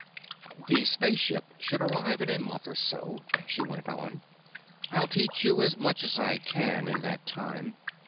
"The spaceship should arrive in a month or so," she went on. "I'll teach you as much as I can in that time.